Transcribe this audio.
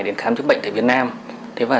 đến khám chữa bệnh tại việt nam thế và